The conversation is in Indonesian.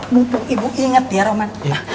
mumpung ibu inget ya roman